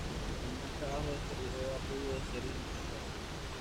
Ningún trabajo de este período ha podido ser identificado.